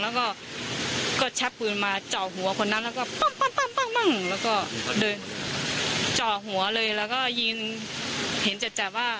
แล้วก็ก็ชับปืนมาเจาะหัวคนนั้นแล้วก็ปั๊มปั๊มปั๊มปั๊มปั๊มแล้วก็เดินเจาะหัวเลยแล้วก็ยิงเห็นจัดจากว่า